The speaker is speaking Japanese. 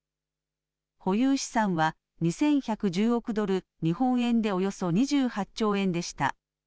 保有資産は２１１０億ドル、日本円でおよそ２８兆円でした。